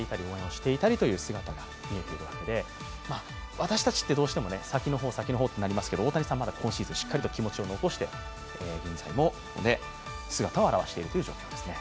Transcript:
私たちってどうしても先の方、先の方ってなりますけど大谷さん、まだ今シーズンしっかりと気持ちを残して現在も姿を現しているという状況ですね